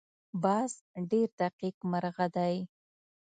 باز ډېر دقیق مرغه دی